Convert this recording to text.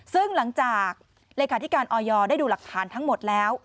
ซึ่งหลังจากเลขาธิการออยได้ดูหลักฐานทั้งหมดแล้ว